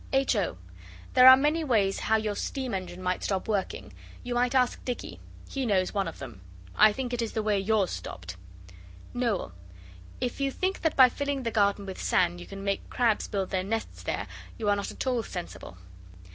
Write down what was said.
H. O. There are many ways how your steam engine might stop working. You might ask Dicky. He knows one of them. I think it is the way yours stopped. Noel. If you think that by filling the garden with sand you can make crabs build their nests there you are not at all sensible.